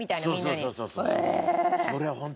そうそうそうそう。